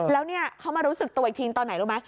แล้วเนี่ยเขามารู้สึกตัวอีกทีตอนไหนรู้ไหม